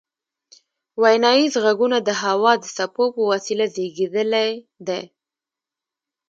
ویناییز غږونه د هوا د څپو په وسیله زیږیدلي دي